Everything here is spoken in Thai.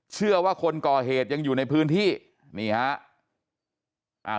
เชื่อว่าคนก่อเหตุยังอยู่ในพื้นที่นี่ฮะ